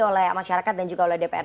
oleh masyarakat dan juga oleh dpr